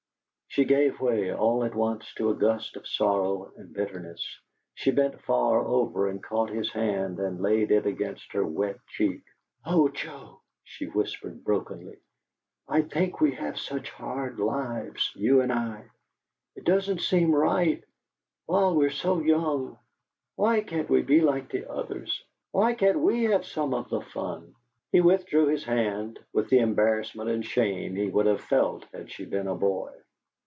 She gave way, all at once, to a gust of sorrow and bitterness; she bent far over and caught his hand and laid it against her wet cheek. "Oh, Joe," she whispered, brokenly, "I think we have such hard lives, you and I! It doesn't seem right while we're so young! Why can't we be like the others? Why can't we have some of the fun?" He withdrew his hand, with the embarrassment and shame he would have felt had she been a boy.